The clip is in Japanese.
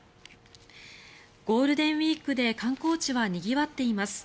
ゴールデンウィークで観光地はにぎわっています。